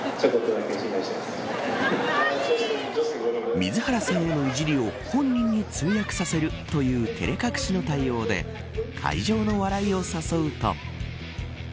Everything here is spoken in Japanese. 水原さんへのいじりを本人に通訳させるという照れ隠しの対応で会場の笑いを誘うと。